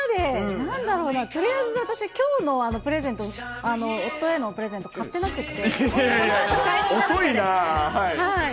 なんだろうな、とりあえず私、きょうのプレゼント、夫へのプレゼント、買ってなくって。